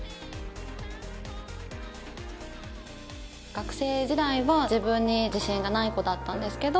学生時代は自分に自信がない子だったんですけど。